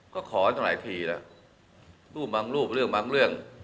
ก็ขออย่างเป็นหลายทีแล้วรูปแม้งรูปเรื่องแม้งเรื่อง